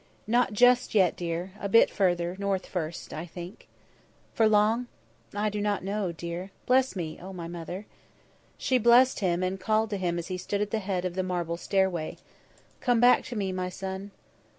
"Not just yet, dear; a bit further North first, I think." "For long?" "I do not know, dear. Bless me, O my mother." She blessed him and called to him as he stood at the head of the marble stairway: "Come back to me, my son!"